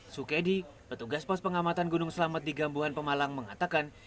sukedi petugas pos pengamatan gunung selamat di gambuhan pemalang mengatakan